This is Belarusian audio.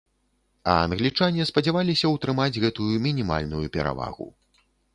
А англічане спадзяваліся ўтрымаць гэтую мінімальную перавагу.